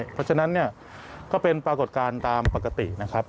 เพราะฉะนั้นเนี่ยก็เป็นปรากฏการณ์ตามปกตินะครับ